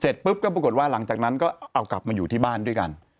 ปุ๊บก็ปรากฏว่าหลังจากนั้นก็เอากลับมาอยู่ที่บ้านด้วยกัน